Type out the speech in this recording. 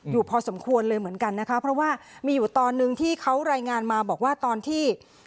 อยู่พอสมควรเลยเหมือนกันนะคะเพราะว่ามีอยู่ตอนนึงที่เขารายงานมาบอกว่าตอนที่